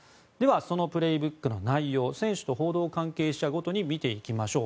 その「プレイブック」の内容選手と報道関係者ごとに見ていきましょう。